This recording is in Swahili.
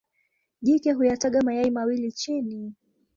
Jike huyataga mayai mawili chini.